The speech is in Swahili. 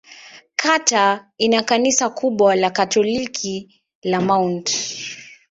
Kata ina kanisa kubwa la Katoliki la Mt.